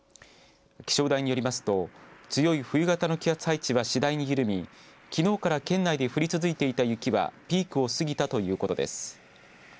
気象台によりますと強い冬型の気圧配置は次第に緩みきのうから県内で降り続いていた雪はピークを過ぎたということです。